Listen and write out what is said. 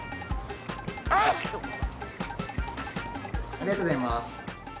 ありがとうございます。